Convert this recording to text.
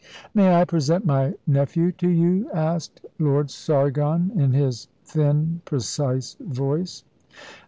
"May I present my nephew to you?" asked Lord Sargon, in his thin, precise voice.